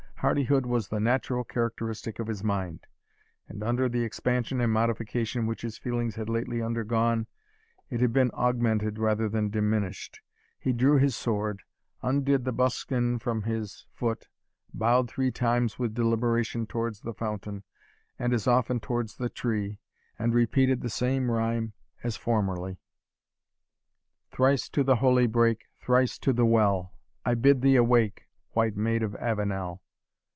Hardihood was the natural characteristic of his mind; and under the expansion and modification which his feelings had lately undergone, it had been augmented rather than diminished. He drew his sword, undid the buskin from his foot, bowed three times with deliberation towards the fountain, and as often towards the tree, and repeated the same rhyme as formerly, "Thrice to the holy brake Thrice to the well: I bid thee awake, White Maid of Avenel!